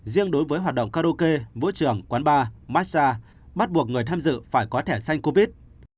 riêng đối với hoạt động karaoke vũ trường quán bar massage bắt buộc người tham dự phải có thẻ xanh covid